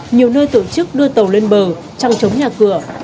nhiều nơi tổ chức đưa tàu lên bờ trăng chống nhà cửa